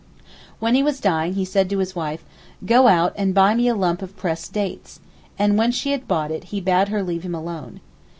When he was dying he said to his wife, "Go out and buy me a lump of pressed dates," and when she had brought it he bade her leave him alone.